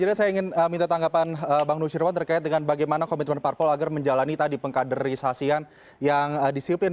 tidak saya ingin minta tanggapan bang nusyirwan terkait dengan bagaimana komitmen parpol agar menjalani tadi pengkaderisasian yang disiplin